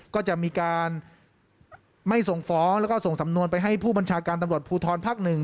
ก็จะมีการไม่ส่งฟ้องแล้วก็ส่งสำนวนไปให้ผู้บัญชาการตำรวจภูทรภาคหนึ่ง